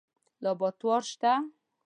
لابراتوار شته؟